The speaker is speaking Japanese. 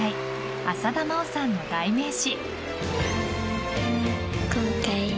浅田真央さんの代名詞。